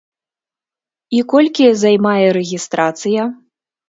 І колькі займае рэгістрацыя?